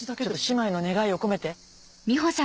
姉妹の願いを込めて。